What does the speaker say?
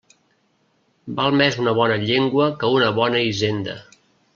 Val més una bona llengua que una bona hisenda.